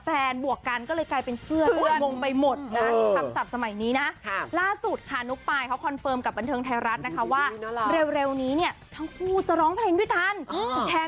แต่งานนี้ทางปลายเขาจะใส่วิกผมยาว